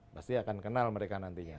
pasti akan kenal mereka nantinya